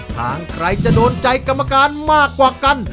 ทางใครจะโดนใจกรรมการมากกว่ากัน